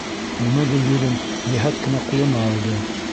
Уны Гөлйөҙөм йәһәт кенә ҡулына алды.